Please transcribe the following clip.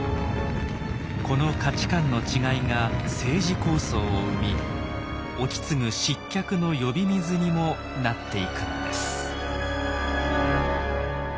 この価値観の違いが政治抗争を生み意次失脚の呼び水にもなっていくのです。